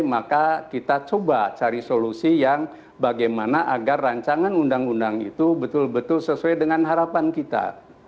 maka kita coba cari solusi yang bagaimana agar rancangan undang undang itu betul betul sesuai dengan harapan kita